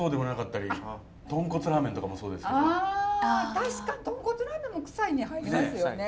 確かに豚骨ラーメンもクサいに入りますよね。